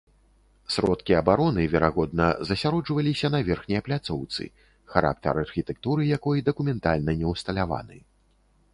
Сродкі абароны, верагодна, засяроджваліся на верхняй пляцоўцы, характар архітэктуры якой дакументальна не ўсталяваны.